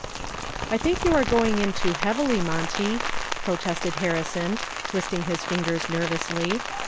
"I think you are going in too heavily, Monty," protested Harrison, twisting his fingers nervously.